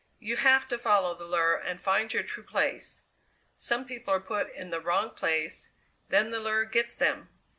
You have to follow the lure and find your true place. Some people are put in the wrong place then the lure gets them!"